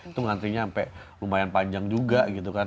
itu ngantrinya sampai lumayan panjang juga gitu kan